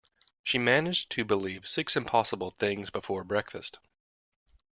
She managed to believe six impossible things before breakfast